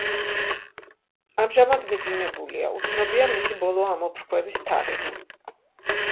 ამჟამად მიძინებულია, უცნობია მისი ბოლო ამოფრქვევის თარიღი.